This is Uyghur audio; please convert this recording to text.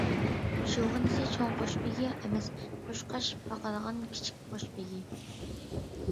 شۇغىنىسى، چوڭ قۇشبېگى ئەمەس، قۇشقاچ باقىدىغان كىچىك قۇشبېگى.